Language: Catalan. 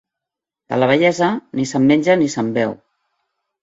De la bellesa, ni se'n menja ni se'n beu.